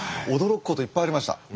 驚くこといっぱいありました。